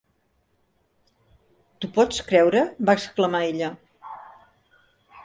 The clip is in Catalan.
"T"ho pots creure?" va exclamar ella.